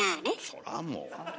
そらもう。